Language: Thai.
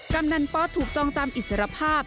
กำนันป๊อสถูกจองจำอิสรภาพ